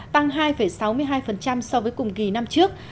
tăng hai sáu mươi hai so với cùng kỳ năm trước